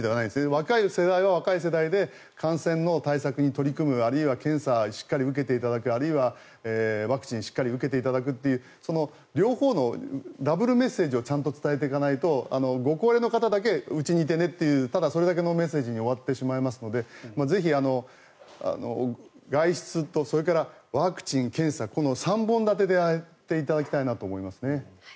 若い世代は若い世代で感染の対策に取り組むあるいは検査をしっかり受けていただくあるいはワクチンをしっかり受けていただくという両方のダブルメッセージを伝えていかないとご高齢の方だけうちにいてねというただ、それだけのメッセージに終わってしまいますのでぜひ、外出とそれからワクチン検査この３本立てでやっていただきたいなと思いますね。